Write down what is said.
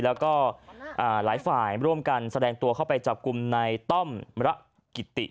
แล้วก็หลายฝ่ายร่วมกันแสดงตัวเข้าไปจับกลุ่มในต้อมระกิติ